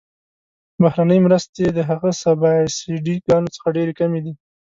بهرنۍ مرستې د هغه سبسایډي ګانو څخه ډیرې کمې دي.